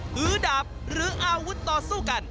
ถือดาบหรืออาวุธต่อสู้กัน